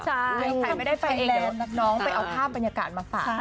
ใครไม่ได้ไปแล้วน้องไปเอาภาพบรรยากาศมาฝาก